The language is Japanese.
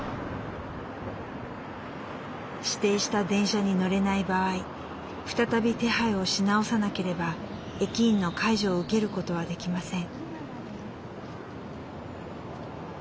指定した電車に乗れない場合再び手配をし直さなければ駅員の介助を受けることはできません。